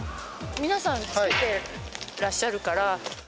皆さん、つけてらっしゃるから。